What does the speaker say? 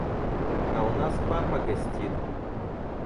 А у нас папа гостит.